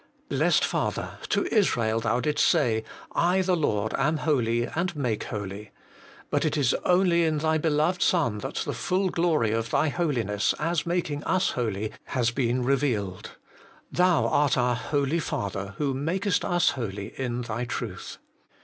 Blessed Father ! to Israel Thou didst say, I the Lord am holy and make holy. But it is only in Thy beloved Son that the full glory of Thy Holiness, as making us holy, has been revealed. Thou art our Holy Father, who makest us holy in Thy truth.